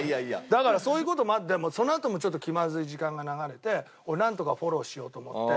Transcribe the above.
だからそういう事もあってそのあとも気まずい時間が流れてなんとかフォローしようと思って。